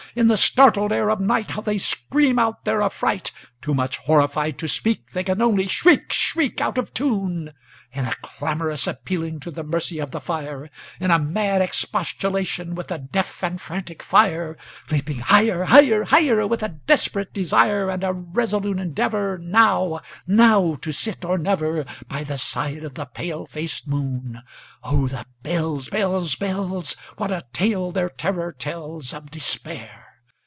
In the startled ear of nightHow they scream out their affright! Too much horrified to speak, They can only shriek, shriek, Out of tune, In a clamorous appealing to the mercy of the fire, In a mad expostulation with the deaf and frantic fire, Leaping higher, higher, higher, With a desperate desire, And a resolute endeavorNow—now to sit or never, By the side of the pale faced moon. Oh, the bells, bells, bells! What a tale their terror tellsOf Despair!